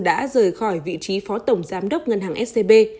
đã rời khỏi vị trí phó tổng giám đốc ngân hàng scb